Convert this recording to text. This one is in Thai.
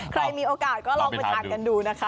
ใครมีโอกาสก็ลองไปทานกันดูนะคะ